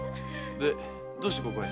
でどうしてここへ？